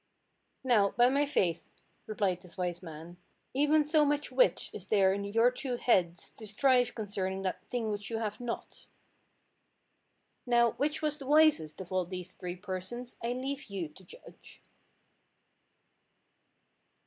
"Now, by my faith," replied this wise man, "even so much wit is there in your two heads, to strive concerning that thing which you have not." Now, which was the wisest of all these three persons I leave you to judge.